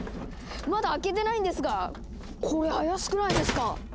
まだ開けてないんですがこれ怪しくないですか？